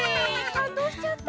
かんどうしちゃった。